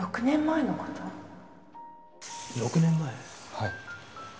はい。